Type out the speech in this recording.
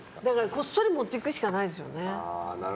こっそり持っていくしかないですよね。